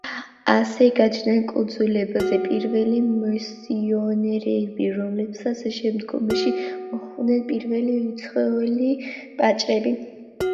ასე გაჩნდნენ კუნძულებზე პირველი მისიონერები, რომლებსაც შემდგომში მოჰყვნენ პირველი უცხოელი ვაჭრები.